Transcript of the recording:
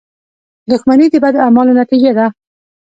• دښمني د بدو اعمالو نتیجه ده.